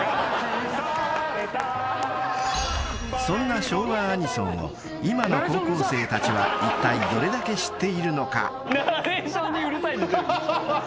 ［そんな昭和アニソンを今の高校生たちはいったいどれだけ知っているのか？］